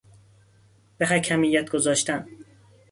به حکمیت گذاشتن